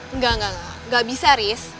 enggak enggak enggak gak bisa riz